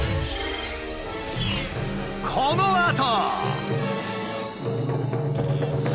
このあと。